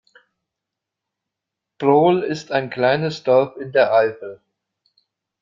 Brohl ist ein kleines Dorf in der Eifel.